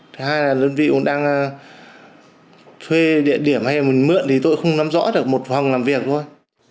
thế hai là đơn vị cũng đang thuê địa điểm hay mượn thì tôi cũng không nắm rõ được một phòng làm việc thôi